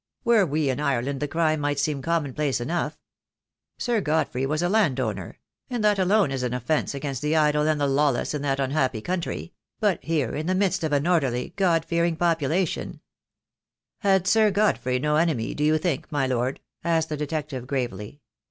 Were we in Ireland the crime might seem common place enough. Sir Godfrey was a landowner — and that alone is an offence against the idle and the lawless in that unhappy country — but here, in the midst of an orderly, God fearing population " "Had Sir Godfrey no enemy, do you think, my Lord?" asked the detective, gravely.